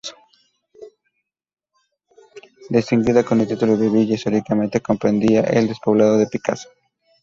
Distinguida con el título de villa, históricamente comprendía el despoblado de Picazo.